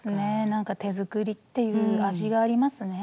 なんか手作りっていう味がありますね。